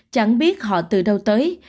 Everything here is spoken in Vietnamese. chẳng biết họ từ đâu tới